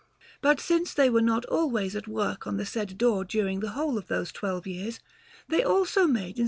But since they were not always at work on the said door during the whole of those twelve years, they also made in S.